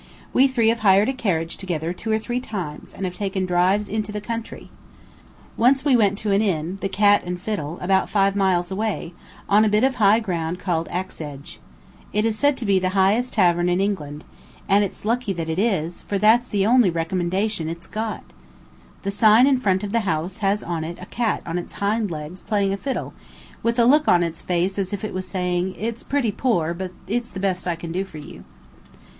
We three have hired a carriage together two or three times and have taken drives into, the country. Once we went to an inn, the Cat and Fiddle, about five miles away, on a high bit of ground called Axe Edge. It is said to be the highest tavern in England, and it's lucky that it is, for that's the only recommendation it's got. The sign in front of the house has on it a cat on its hind legs playing a fiddle, with a look on its face as if it was saying, "It's pretty poor, but it's the best I can do for you."